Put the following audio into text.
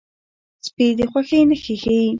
سپي د خوښۍ نښې ښيي.